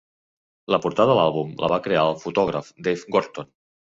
La portada de l'àlbum la va crear el fotògraf Dave Gorton.